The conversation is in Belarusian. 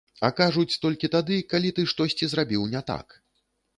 А кажуць толькі тады, калі ты штосьці зрабіў не так.